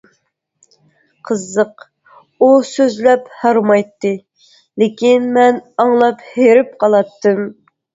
قىزىق، ئۇ سۆزلەپ ھارمايتتى، لېكىن مەن ئاڭلاپ ھېرىپ قالاتتىم.